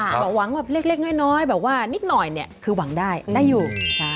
หวังอะไรขนาดนั้นไม่ได้หวังแบบเล็กน้อยแบบว่านิดหน่อยเนี่ยคือหวังได้ได้อยู่